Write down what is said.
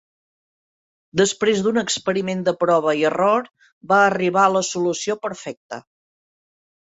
Després d'un experiment de prova i error, va arribar a la solució perfecta.